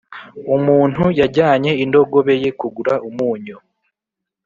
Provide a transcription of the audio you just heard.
umuntu yajyanye indogobe ye kugura umunyu.